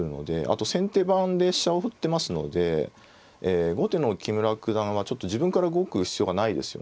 あと先手番で飛車を振ってますので後手の木村九段はちょっと自分から動く必要がないですよね。